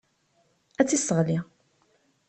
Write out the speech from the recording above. Ad tt-yesseɣli.